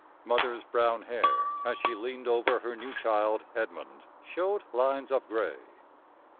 Mother's brown hair, as she leaned over her new child, Edmund, showed lines of gray.